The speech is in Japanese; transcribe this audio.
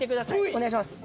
お願いします。